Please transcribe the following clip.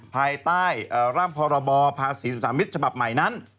ภายใต้ร่างพรบภาษีสามิตรฉบับใหม่นั้น